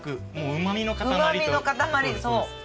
うまみの塊、そう。